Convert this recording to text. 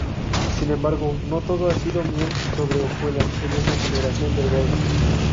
Sin embargo, no todo ha sido miel sobre hojuelas en esta generación del Golf.